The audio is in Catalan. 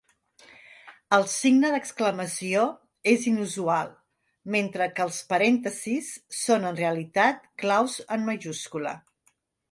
El signe d'exclamació és inusual, mentre que els parèntesis són, en realitat, claus en majúscula.